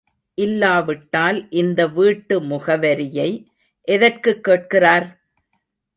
இல்லாவிட்டால் இந்த வீட்டு முகவரியை எதற்குக் கேட்கிறார்?